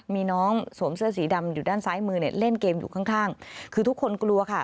มีน้องสวมเสื้อสีดำอยู่ด้านซ้ายมือเนี่ยเล่นเกมอยู่ข้างข้างคือทุกคนกลัวค่ะ